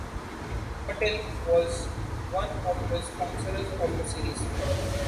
Mattel was one of the sponsors of the series.